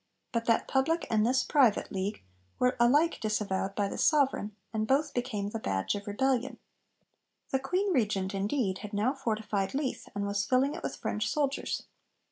But that public, and this private, league were alike disavowed by the Sovereign, and both became the badge of rebellion. The Queen Regent, indeed, had now fortified Leith, and was filling it with French soldiers.